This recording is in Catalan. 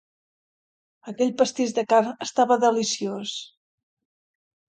Aquell pastís de carn estava deliciós.